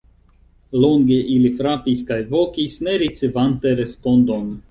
Longe ili frapis kaj vokis, ne ricevante respondon.